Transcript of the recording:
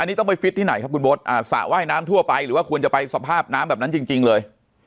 อันนี้ต้องไปฟิตที่ไหนครับคุณโบ๊ทสระว่ายน้ำทั่วไปหรือว่าควรจะไปสภาพน้ำแบบนั้นจริงเลย